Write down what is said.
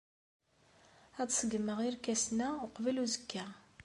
Ad d-ṣeggmeɣ irkasen-a uqbel uzekka.